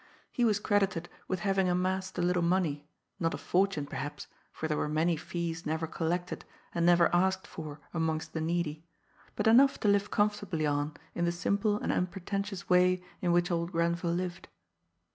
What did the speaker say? He was credited with having amassed a little money, not a fortune, perhaps, for there were many fees never collected and never asked for amongst the needy, but enough to live comfortably on in the simple and unpretentious way in which old Grenville lived.